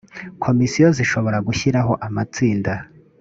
komisiyo zishobora gushyiraho amatsinda